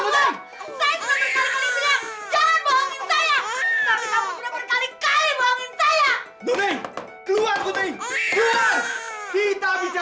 banyak yang lihat airmen lihat city lihat daik lihat